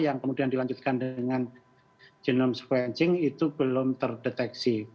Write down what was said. yang kemudian dilanjutkan dengan genome sequencing itu belum terdeteksi